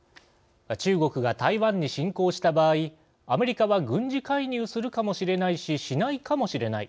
中国が台湾に侵攻した場合アメリカは軍事介入するかもしれないししないかもしれない。